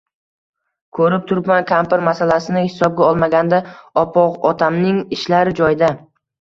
Ko‘rib turibman, kampir masalasini hisobga olmaganda, opog‘otamning ishlari joyida